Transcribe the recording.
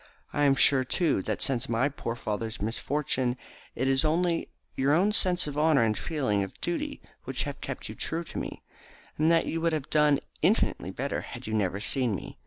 I am sure, too, that since my poor father's misfortune it is only your own sense of honour and feeling of duty which have kept you true to me, and that you would have done infinitely better had you never seen me.